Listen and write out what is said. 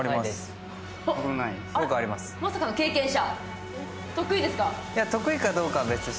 まさかの経験者。